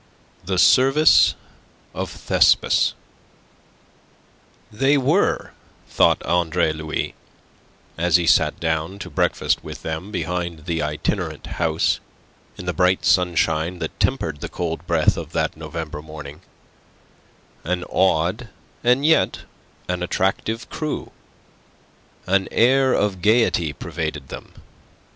THE SERVICE OF THESPIS They were, thought Andre Louis, as he sat down to breakfast with them behind the itinerant house, in the bright sunshine that tempered the cold breath of that November morning, an odd and yet an attractive crew. An air of gaiety pervaded them.